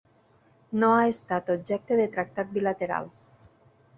No ha estat objecte de tractat bilateral.